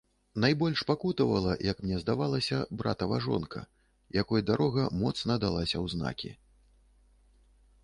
Найбольш пакутавала, як мне здавалася, братава жонка, якой дарога моцна далася ў знакі.